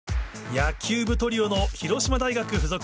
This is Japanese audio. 野球部トリオの広島大学附属。